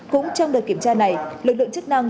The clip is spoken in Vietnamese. cũng trong đợt kiểm tra này lực lượng chức năng